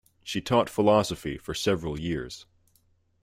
She taught philosophy for several years.